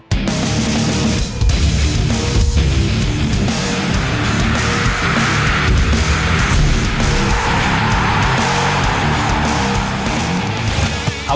มันก็คือ